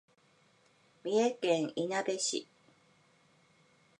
三重県いなべ市